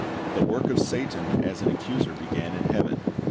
The work of Satan as an accuser began in heaven.